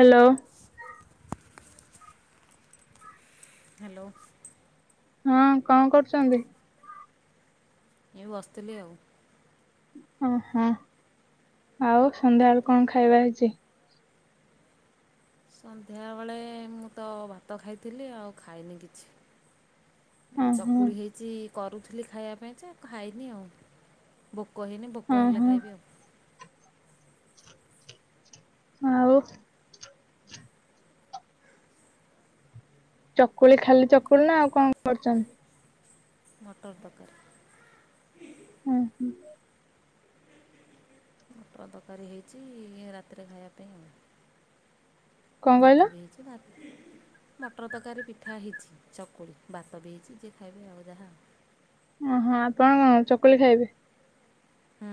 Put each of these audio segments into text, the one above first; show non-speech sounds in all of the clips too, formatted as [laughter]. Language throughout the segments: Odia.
ହ୍ୟାଲୋ। ହ୍ୟାଲୋ। ହଁ କଣ କରୁଛନ୍ତି। ଏ ବସିଥିଲି ଆଉ। ଓହୋ ଆଉ ସନ୍ଧ୍ୟାବେଳ ତ କଣ ଖାଇବା ହେଇଛି। ସନ୍ଧ୍ୟାବେେଳେ ମୁଁ ତ ଭାତ ଖାଇଥିଲି ଆଉ ଖାଇନି କିଛି। ଏଇ ଓହୋ ଚକୁଳି ହେଇଛି। କରୁଥିଲି ଖାଇବା ପାଇଁ ଯେଉ ଖାଇନି ଆଉ ଖାଇନି। ଭୋକ ହେନି ଭୋକ ହେଲେ ଓହୋ ଖାଇବି ଆଉ। ଆଉ। ଚକୁଳି ଖାଲି ଚକୁଳି ନା ଆଉ କଣ କରୁଛନ୍ତି। ମଟର ତରକାରୀ। ହୁଁ ହୁଁ। ଟଦକାରୀ ହେଇଛି ରାତିରେ ଖାଇବା ପାଇଁ କଣ ଆଉ। କହିଲ? ଭାତ ବି ହେଇଛି ବା। ମଟର ତରକାରୀ ପିଠା ହେଇଛି ଚକୁଳି ଭାତ ବି ହେଇଛି ଯିଏ ଖାଇବେ ଆଉ ଯାହା। ଓହୋ ଆପଣ କଣ ଚକଲି ଖାଇବେ? ହୁଁ।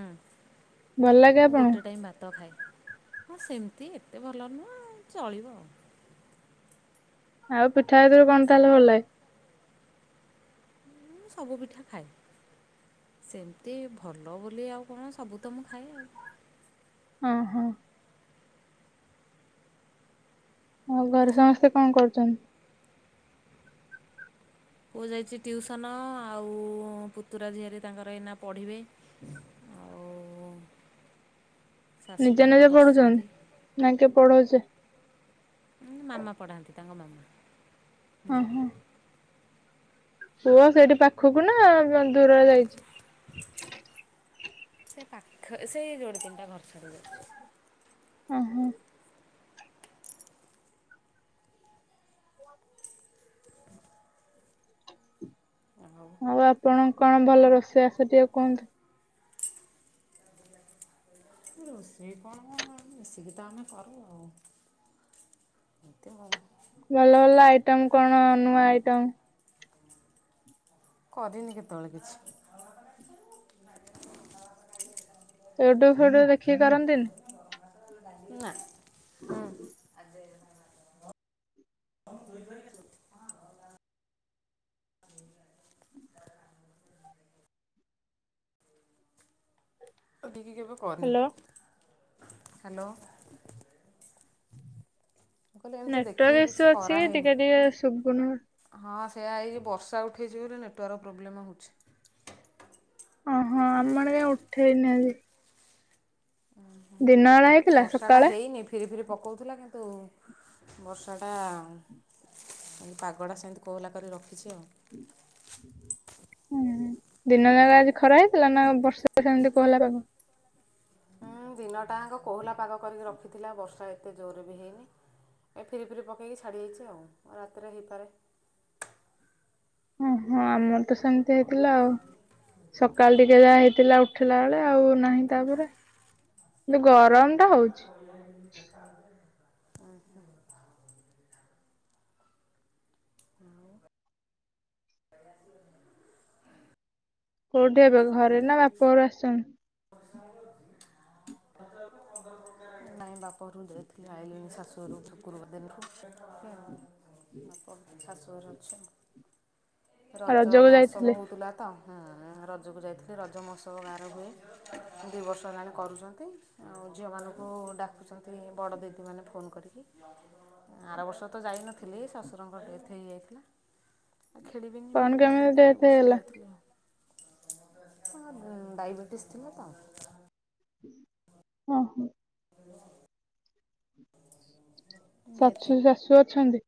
ଭଲ ଲାଗେ ମୁଁ ଗୋଟେ ଆପଣଙ୍କୁ ଟାଇମ ଭାତ ଖାଏ। ହଁ ସେମିତି ଏତେ ଭଲ ନୁହଁ ଚଳିବ ଆଉ। ଆଉ ପିଠା ଭିତରୁ କଣ ତାହେଲେ ଭଲ ଲାଗେ? ମୁଁ ସବୁ ପିଠା ଖାଏ ସେମିତି ଭଲ ବୋଲି ଆଉ କଣ ସବୁ ତ ମୁଁ ଖାଏ। ହଁ ହଁ। ଆଉ ଘରେ ସମସ୍ତେ କଣ କରୁଛନ୍ତି? ପୁଅ ଯାଇଛି ଟିଉସନ ଆଉ-ଉ-ଉ-ଉ ପୁତୁରା ଝିଆରି ତାଙ୍କର ଏଇନା ପଢ଼ିବେ ଆଉ-ଉ-ଉ ନିଜେ ନିଜେ ପଢୁଛନ୍ତି, ନା କିଏ ପଢଉଛି? ଉଁ ମାମା ପଢାନ୍ତି ତାଙ୍କ ମାମା। ହଁ ଯା। ହୁଁ। ପୁଅ ସେଇଠି ପାଖକୁ ନା ଦୂରରେ ଯାଇଛି? ସେ ପାଖ ସେଇ ରୋଡ଼ ତିନିଟା ଘର ଛାଡିକି ଯାଉଛି। ଓହୋ ଆଉ ଆପଣ କଣ ଭଲ ରୋଷେଇ ଆସ ଟିକେ କୁହନ୍ତୁ? ରୋଷେଇ କଣ ମିଶିକି ତ ଆମେ କରୁ ଆଉ। ଏତେ ଭଡ଼ ଭଲ ଭଲ ଆଇଟମ କଣ ନୂଆ ଆଇଟମ? କରିନି କେତେବେଳେ କିଛି। ୟୁଟ୍ୟୁବ ଫୁଟ୍ୟୁବ ଦେଖି କରନ୍ତିନି? ନା। ହଁ। [unintelligible] କେବେ କରିନି। Hello hello. ମୁଁ କହିଲି ଏମିତି ଦେଖିକି ନେଟୱାର୍କ କିଛି ଇସୁ ଅଛି କି କରାହେଇନି ଟିକେ ଟିକେ ଶୁଭୁନି ସେଆ ଏଇ ବର୍ଷା ଉଠେଇଛିି ବୋଲି ନେଟୱାର୍କ ପ୍ରୋବ୍ଲେମ୍ ହେଉଛି। ଓହୋ ଆମ ଆଡେ କାଇଁ ଉଠେଇନି ଆଜି। ଦିନବେଳା ହେଇଥିଲା ସକାଳେ? ପୋକଉଥିଲା କିନ୍ତୁ ବର୍ଷାଟା ଏ ପାଗଟା ସେମିତି କୋହଲା କରି ରଖିଛି ଆଉ। ହୁଁ ହୁଁ ଦିନ ଜାଗା ଆଜି ଖରା ହେଇଥିଲା, ନା ବର୍ଷା ବ ସେମିତି କୋହଲା ପାଗ? ହୁଁ ଦିନଟାଙ୍କ କୋହଲା ପାଗ କରିକି ରଖିଥିଲା ବର୍ଷା ଏତେ ଜୋରରେ ବି ହେଇନି ଏ ଫିରି ଫିରି ପକେଇକି ଛାଡ଼ିଯାଇଛି ଆଉ। ରାତିରେ ହେଇପାରେ। ଓହୋ ଆମର ତ ସେମିତି ହେଇଥିଲା ଆଉ। ସକାଳ ଟିକେ ଯାହା ହେଇଥିଲା ଉଠିଲା ବେଳେ ଆଉ ନାହିଁ ତାପରେ କିନ୍ତୁ ଗରମ ଟା ହଉଛି। [inaudible] ଆଚ୍ଛା। ହଁ ବା। କୋଉଠି ଏବେ ଘରେ ନା ବାପ ଘରେ ଆସିଛନ୍ତି? ନାଇ ବାପ ଘରୁ ଯାଇଥିଲି ଆଇଲିନି। ଶାଶୁଘରୁ କୁ ଗୁରୁବାର ଦିନ। [inaudible] କଥା ଶୁ [inaudible] ରଜ ରଜକୁ ମହତ୍ସବ ଯାଇଥିଲେ? ହଉଥିଲା ତ। ହଁ-ଅ-ଅ-ଅ ରଜକୁ ଯାଇଥିଲି ରଜ ମହୋତ୍ସବ ଗାଁରେ ହୁଏ। ଦୁଇ ବର୍ଷ ହେଲାଣି କରୁଛନ୍ତି। ଆଉ ଝିଅମାନଙ୍କୁ ଡା କରୁଛନ୍ତି ବଡ଼ ଦିଦି ମାନେ ଫୋନ୍ କରିକି। ଆର ବର୍ଷ ତ ଯାଇନଥିଲି ଶ୍ୱଶୁରଙ୍କ ଡେଥ୍ ହେଇଯାଇଛି। ଆଉ ଖେଳିବିନି କଣ ବୋଲି ଯାଇ କେମିତି ନଥିଲେ ଏ ଡେଥ ବର୍ଷ ହେଇଗଲା ଯାଇଥିଲେ। ଅ-ଅ ଡାଇବେଟିସ୍ ଥିଲା ତ। ଓ ହୋ। ଶାଶୁ ଶାଶୁ ଅଛନ୍ତି।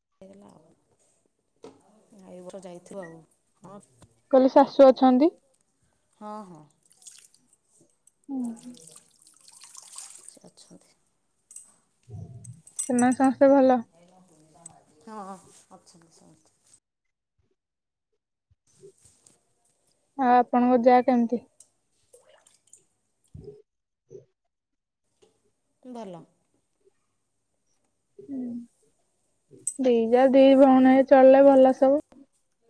ଆ ଏ ଗୋଠ ଯାଇଥିବ ଆଉ ହଁ। କହିଲେ ଶାଶୁ ଅଛନ୍ତି। ହଁ ହଁ ସେ ଅଛନ୍ତି। ସେମାନେ ସମସ୍ତେ ଭଲ। ହଁ ଅଛନ୍ତିଛ ଅଛି। ହଁ ଆପଣଙ୍କ ଯାହା କେମିତି। ଭଲ। ହଁ ଦି ଯା ଦି ଭଉଣୀ ହେ ଚଳିଲେ ଭଲ ସବୁ।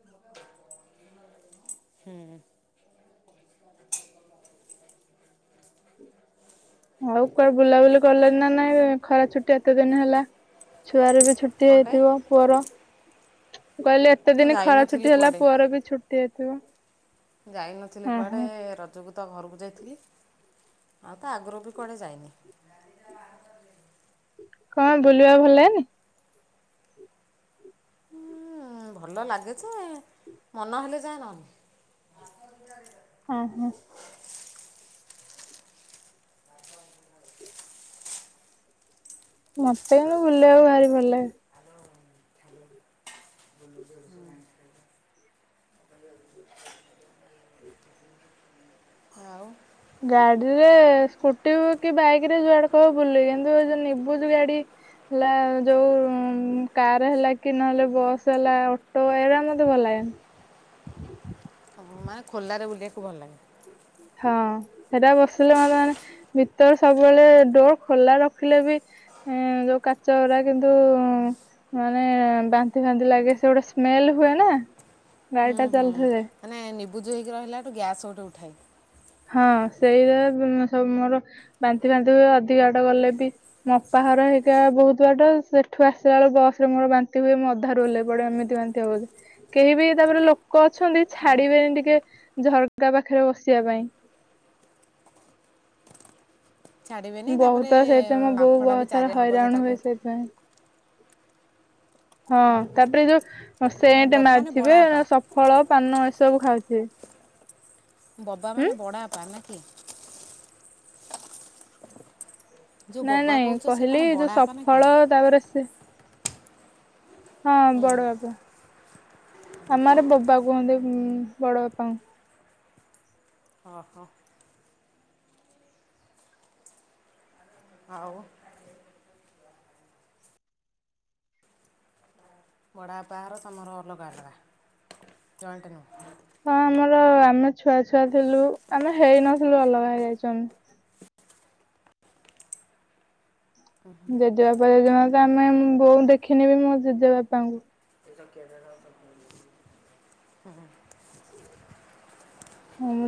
ହୁଁ। ଆଉ କୁଆଡେ ବୁଲାବୁଲି କଲେଣିି ନା ନାଇଁ ଖରା ଛୁଟି ଏତେ ଦିନ ହେଲା। ଛୁଆରେ ବି ଛୁଟି କ'ଣଟେ ହେଇଥିବ ପୁଅର ହ କହିଲି ଏତେ ମୁଁ ଦିନ ଖରା ଯାଇନଥିଲି ଛୁଟି ହେଲା କୁଆଡ଼େ ପୁଅର ବି ଛ। [unintelligible] ଯାଇନଥିଲି କୁଆଡ଼େ ରଜକୁ ତ ଘରକୁ ଯାଇଥିଲି। ଆଉ ତ ଆଗରୁ ବି କୁଆଡେ ଯାଇନି। କଣ ବୁଲିବା ଭଲ ଲନି। ଉଁ, ଭଲ ଲାଗେ ଯେ ମନ ହେଲେ ଯାଏ ନହେନଲେ। ହଁ ହଁ ହଁ। କୁ ବୁଲ ଆଉ ବାହାରି ପଡିଲେ। ବଲ। ହୁଁ। ହଉ। ଗାଡିରେ ସ୍କୁଟି କି ବାଇକ ରେ ଯୁଆଡେ କ ବୁଲ କିନ୍ତୁ ଏ ଯୋଉ ନିବୁଜ ଗାଡି ହେଲା ଯୋଉ କାର ହେଲା କି ନହେଲେ ବସ୍ ହେଲା ଅଟୋ ଏଇଗଳିା ମତେ ଭଲ ଲାଗେନି। ମାନେ ଖୋର୍ଲାରେ ବୁଲିବାକୁ ଭଲ ଲାଗେ ହଁ ସେଟା ବସିଲେ ମେ ମାନେ ଭିତରେ ସବୁବେଳେ ଡୋର ଖୋଲା ରଖିଲେ ବି ଯୋଉ କାଚ ଗଡା କିନ୍ତୁ ମାନେ ବାନ୍ତି ଫାନ୍ତି ଲାଗେ ସେ ଗୋଟେ ସ୍ମେଲ ହୁଏ ନା। ହୁଁ ଗାଡିଟା ହୁଁ ଚାଲୁଥିଲେ। ମାନେ ନିବୁଜ ହେଇକି ରହିଲାଠୁ ଗ୍ୟାସ ଗୋଟେ ଉଠାଇ। ହଁ ସେଇଟ ସବୁ ମୋର ବାନ୍ତି ଫନ୍ତି ହୁଏ ଅଧିକା ବାଟ ଗଲେ ବି ମୋପାଘର ହେଇକା ବହୁତ ବାଟ ସେଠୁ ଆସିଲା ବେଳଳେ ବସ ରେ ମୋର ବାନ୍ତି ହୁଏ ମୁ ଅଧା ରୁଲେ ପଡେ ଏମିତି ବାନ୍ତି ହ ବ କେହି ବି ତାପରେ ଲୋକ ଅଛନ୍ତି ଛାଡିବେନି ଟିକେ ଝରକା ପାଖରେ ବସିବା ପାଇ। ଛାଡ଼ିବେନି ତାପରେ ବହୁତ ସେଇଥିାଇ ମୁଁ ବହୁ ବାମ୍ଫଟା ବି ବହୁତ ଥର ଚାରି ହବ ଯେ ହଇରାଣ ହୁଏ ତାକୁ ସେଇଥିପାଇଁ। ହଁ ତାପରେ ଯୋଉ ସେଟ ବବା ମାନେ ବଡ଼ ମାରିବେ ବାପା ସଫଳ ପାନ। ସବୁ ଖାଉଥିବେ। ବବା ହୁଁ ମାନେ ବଡାପା ନା [inaudible] ଯେଉଁ ନାଇଁ ବବା ନାଇଁ କହୁଛ ସେ କଣ କହିଲି ବଡ଼ ଯୋଉ ବାପା ନା କି ସଫଳ ତାପରେ ସେ ହଁ ହୁଁ ବଡ ବାବା। ଆମର ବାବା କୁହନ୍ତି ବଡ ବାପାଙ୍କୁ। ଓହୋ। ଆଉ ବଡ଼ ବାପା ଘର ତମର ଅଲଗା ଅଲଗା ଜୟଣ୍ଟ ନୁହଁ? ହଁ ଆମର ଆମେ ଛୁଆ ଛୁଆ ଥିଲୁ ଆମେ ହେଇନଥିଲୁ ଅଲଗା ହେଇଯାଇଛୁ ଆମେ। ଜେଜେବାପା ଜେଜେମା ତ ନାଇଁ ବୋଉ ଦେଖିନିି ମୋ ଜେଜେ ବାପାଙ୍କୁ। [unintelligible]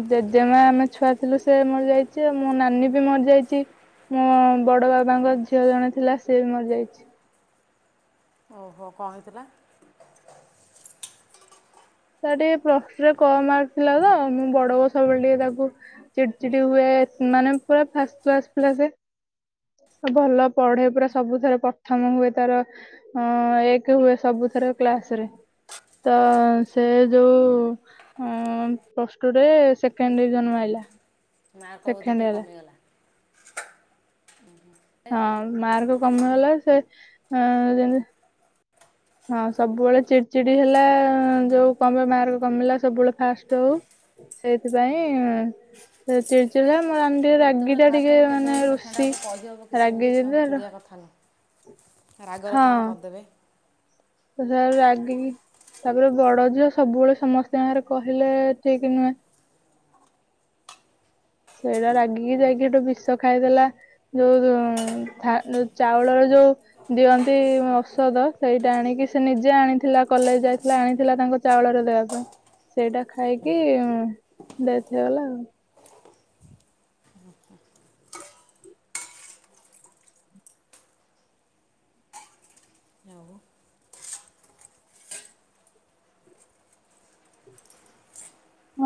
ଜେଜେମା ଆମେ ଛୁଆ ଥିଲୁ ସେ ମରିଯାଇଛି। ଆଉ ମୋ ନାନୀ ବି ମରିଯାଇଛି ମୋ ବଡ ବାବାଙ୍କ ଝିଅ ଜଣେ ଥିଲା ସେ ବି ମରିଯାଇଛି। ଓହୋ କଣ ହେଇଥିଲା। ତା ଟିକେ ପରେ କ ମାର୍କ ଥିଲା ତ ମୁଁ ବଡ ହ ସବୁବେଳେ ଟିକେ ତାକୁ ଚିଟି ଚିଟି ହୁଏ। ମାନେ ପୁରା ଫାଷ୍ଟ କ୍ସ ଥିଲା। ସେ ଭଲ ପଢେ ପୁରା ସବୁଥର ପ୍ରଥମ ହୁଏ। ତାର ଏକ ହୁଏ ସବୁଥର କ୍ଲାସରେ ତ ସେ ଯୋଉ ପସଟୁରେ ସେକେଣ୍ଡ ଡିଭିଜନ ମାଇଲା। ମାର୍କ ବୋଧ ଟିକେ ହେଲା କମିଗଲା। ହୁଁ। ହଁ ମାର୍କ କମିଗଲା ସେ ଯେମିତି ହଁ ସବୁବେଳେ ଚିଡିଚିଡି ହେଲା ଯୋଉ କମ ମାର୍କ କମିଲା ସବୁବେଳେ ଫାଷ୍ଟ ହଉ ସେଇଥିପାଇଁ ଚିଡି ଚିଡି କେତେବେଳେ ଫାଷ୍ଟ ହେବ କେତେବେଳେ ସେକେଣ୍ଡ ରୁଷି ହେବ କହିହେବ କି ରାଗି ସେମିତି ଯଦି ଛୁଆଙ୍କୁ ଚୁଡ଼ିବା କଥା ନୁହଁ। ରାଗରେ କଣ କରିଦେବେ। ତ ରାଗି ତାପରେ ବଡ ଝିଅ ସବୁବେଳେ ସମସ୍ତ ଆଗରେ କହିଲେ ଠିକ ନୁହେଁ। ସେଇଟା ରାଗିକି ଯାଇକି ଗୋଟେ ବିଷ ଖାଇଥିଲା। ଯୋଉ ଚାଉଳର ଯୋଉ ଦିଅନ୍ତି ଔଷଧ ସେଇଟା ଆଣିକି ସେ ନିଜେ ଆଣିଥିଲା କଲେଜ ଯାଇଥିଲା ଆଣିଥିଲା। ତାଙ୍କ ଚାଉଳରେ ଦେବା ପାଇଁ ସେଇଟା ଖାଇକି ଡେଥ ହେଇଗଲା ଆଉ। ଆଉ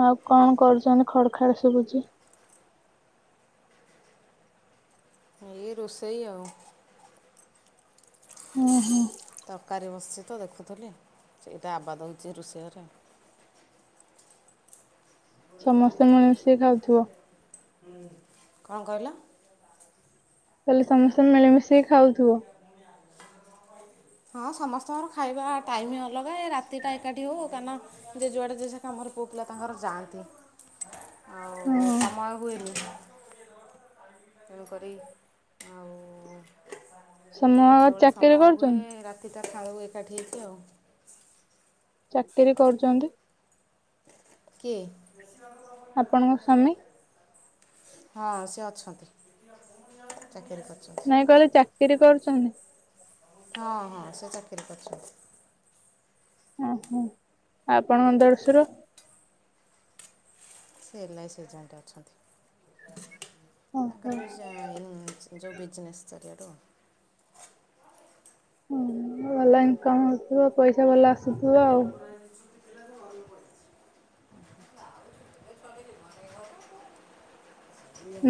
ଆଉ କଣ କରୁଛନ୍ତି ଖଡ ଖାଡ ଶୁଭୁଛି। ଏ ରୋଷେଇ ଆଉ ଓ ହୋ। ତରକାରୀ ବ [unintelligible] ଆବାଦ ହେଉଛି ରୋଷେଇ ଘରେ [inaudible] ସମସ୍ତେ ମିଳି ମିଶେଇ ଖାଉଥିବ? କଣ କହିଲ? ତାହଲେ ସମସ୍ତେ ମିଳିମିଶି ଖାଉଥିବ। [inaudible] ହଁ ସମସ୍ତଙ୍କର ଖାଇବା ଟାଇମ ହିଁ ଅଲଗା ଏ ରାତି ଟା ଏକାଠି ହଉ। କାରଣ ଯିଏ ଯୁଆଡେ ଯେଝା ପୁଅ ପିଲା ତାଙ୍କର ଯାଆନ୍ତି। ହଁ ଆଉ ସମୟ ହୁଏନି। ତେଣୁ କରି ଆଉ ସମୟ ଯେତେବେଳେ ଚାକିରି ସମୟ ହୁଏ କରୁଛନ୍ତି। ରାତିଟା ଖାଇବୁ ଏକାଠି ହେଇଛି ଆଉ ଚାକିରି କରୁଛନ୍ତି? କିଏ? ଆପଣଙ୍କ ସ୍ଵାମୀ? ହଁ ସେ ଅଛନ୍ତି। ଚାକିରି କରିଛନ୍ତି। ନାଇଁ କହିଲେ ଚାକିରି କରୁଛନ୍ତି? ହଁ ହଁ ସେ ଚାକିରି କରୁଛନ୍ତି। ଓହୋ ଆପଣଙ୍କ ଦେଢଶୁର? ସେ ନାାଇଁ ସିଜନ୍ଟେ ଅଛନ୍ତି ଓହୋ ତାଙ୍କର ବି ଯୋଉ ବଜିନେସ୍ ଚା ଏଠୁ। ଓ ଭଲ ଇନକମ ହଉଥିବ ପଇସା ଭଲ ଆସୁଥିବ ଆଉ।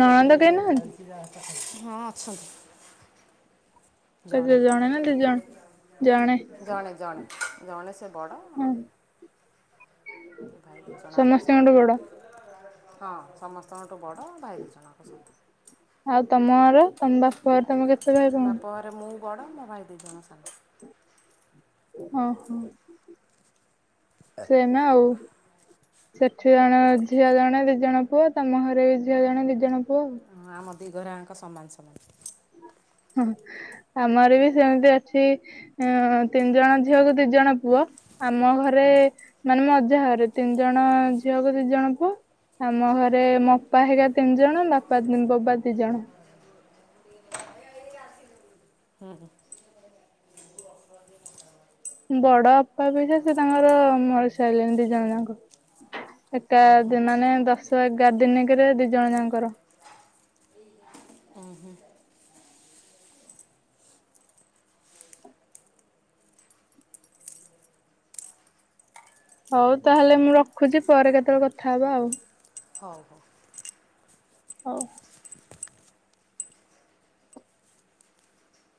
ନାଲୋ। କେହିନାହାନ୍ତି। ହଁ ଅଛନ୍ତି। କ ଜଣେ ନା ଦିଜଣ ଜଣେ ଜଣେ। ଜଣେ ସେ। ବଡ। ଭାଇ ଦିଜଣ ଜାଙ୍କ ସାନ। ସମସ୍ତଙ୍କଠୁ ବଡ ହଁ ସମସ୍ତଙ୍କଠୁ ବଡ଼ ଭାଇ ଦିଜଣ ସାନ। ଆଉ ତମର। ତମ ବାପା ତମେ କେତେ ଭାଇ ଭଉଣୀ। ବାପ ଘରେ ମୁଁ ବଡ଼ ମୋ ଭାଇ ଦିଜଣ ସାନ। ହଁ ହଁ। ସେନା ଆଉ। ସେଠି ଜଣେ ଝିଅ ଜଣେ ଦି ଜଣ ପୁଅ ତମ ଘରେ ବି ଝିଅ ଜଣେ ଦି ଜଣ ପୁଅ। ହଁ ଆମ ଦିଘାର ଜାଙ୍କ ସମାନ ସମାନ। ହଁ ଆମର ବି ସେମିତି ଅଛି ତିନି ଜଣ ଝିଅକୁ ଦି ଜଣ ପୁଅ। ଆମ ଘରେ ମାନେ ମ ଯାହା ଘରେ ତିନି ଜଣ ଝିଅକୁ ଦି ଜଣ ପୁଅ ଆମ ଘରେ ମୋ ଅପା ହେକା ତିନି ଜଣ ବାପା ବବା ଦି ଜଣ। ବଡ ଅପା ବି ସେ ସେ ତାଙ୍କର ମରିସାରିଲେଣି ଦି ଜଣ ଯାକ ଏକା ଓହୋ ମାନେ ଦଶ ଏଗାର ଦିନକରେ ଦି ଜଣ ଯାଙ୍କର। ହଉ ତାହେଲେ ମୁଁ ରଖୁଛି ପରେ କେତେବେଳେ କଥା ହବା ଆଉ। ହଉ ହଉ। ହଉ।